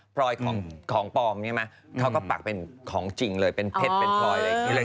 พลอยของปลอมใช่ไหมเขาก็ปักเป็นของจริงเลยเป็นเพชรเป็นพลอย